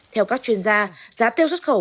theo các chuyên gia giá tiêu xuất khẩu